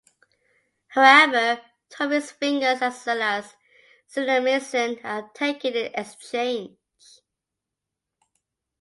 However, two of his fingers, as well as Cinnaminson, are taken in exchange.